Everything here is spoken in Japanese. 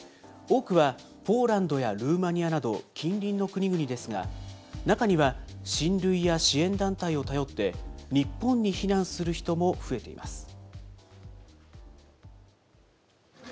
多くはポーランドやルーマニアなど近隣の国々ですが、中には親類や支援団体を頼って、日本に避難する人も増えています。